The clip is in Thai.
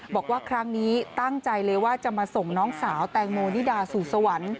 บอกว่าครั้งนี้ตั้งใจเลยว่าจะมาส่งน้องสาวแตงโมนิดาสู่สวรรค์